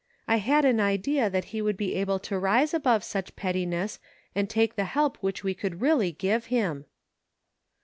" I had an idea that he would be able to rise above such pettiness and take the help which we could really give him."